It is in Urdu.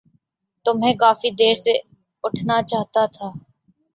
تمہیں کافی دیر سے اٹھانا چاہتا تھا۔